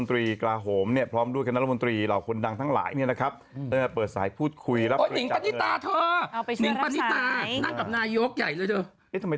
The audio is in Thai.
หรือกับการดับมนตรีกระหวม